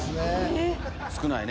少ないね。